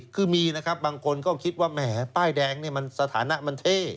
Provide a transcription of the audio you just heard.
คือมีนะครับบางคนก็คิดว่าแหมป้ายแดงนี่มันสถานะมันเท่